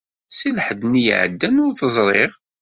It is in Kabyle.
Seg lḥedd-nni iɛeddan ur t-ẓriɣ.